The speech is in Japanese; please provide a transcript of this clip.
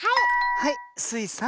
はいスイさん。